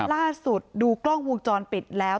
ล่าสุดดูกล้องวงจรปิดแล้ว